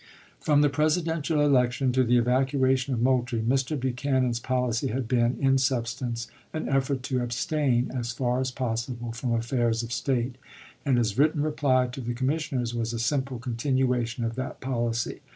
From the Presidential election to the evacuation of Moultrie, Mr. Buchanan's policy had been, in substance, an effort to abstain as far as possible from affairs of state ; and his written reply to the commissioners was a simple continuation of that policy.